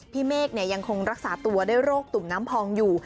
เมฆยังคงรักษาตัวด้วยโรคตุ่มน้ำพองอยู่